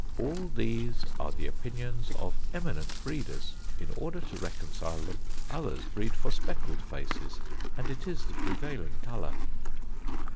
All these are the opinions of eminent breeders: in order to reconcile them, others breed for speckled faces; and it is the prevailing colour."